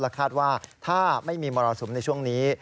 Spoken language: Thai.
คาดว่าถ้าไม่มีมรสุมในช่วงนี้